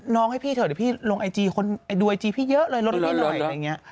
น้องให้พี่เถอะเดี๋ยวพี่ลงไอจีย์ดูไอจีพี่เยอะเลยรนไปพี่หน่อย